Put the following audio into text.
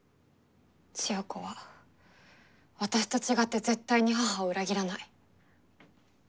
千世子は私と違って絶対に母を裏切らない。